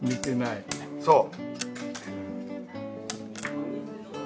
そう。